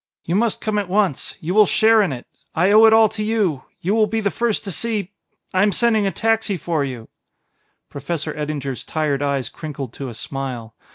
You must come at once. You will share in it; I owe it all to you ... you will be the first to see ... I am sending a taxi for you " Professor Eddinger's tired eyes crinkled to a smile.